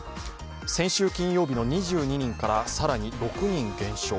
先週金曜日の２２人から更に６人減少。